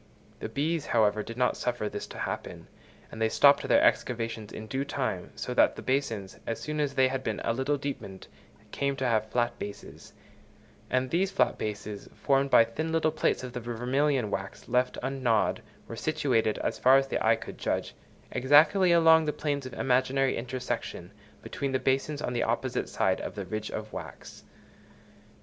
The bees, however, did not suffer this to happen, and they stopped their excavations in due time; so that the basins, as soon as they had been a little deepened, came to have flat bases; and these flat bases, formed by thin little plates of the vermilion wax left ungnawed, were situated, as far as the eye could judge, exactly along the planes of imaginary intersection between the basins on the opposite side of the ridge of wax.